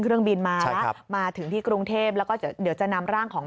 เครื่องบินมาแล้วมาถึงที่กรุงเทพแล้วก็เดี๋ยวจะนำร่างของ